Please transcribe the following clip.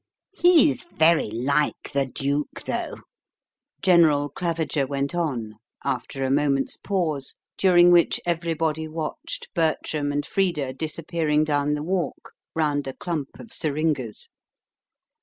"He's very like the duke, though," General Claviger went on, after a moment's pause, during which everybody watched Bertram and Frida disappearing down the walk round a clump of syringas.